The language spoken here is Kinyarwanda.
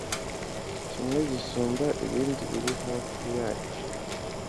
Kimwe gisumba ibindi biri hafi yacyo